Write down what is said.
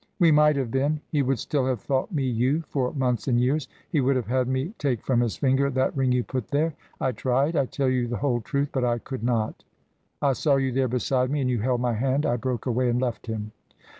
"We might have been. He would still have thought me you, for months and years. He would have had me take from his finger that ring you put there. I tried I tell you the whole truth but I could not. I saw you there beside me and you held my hand. I broke away and left him."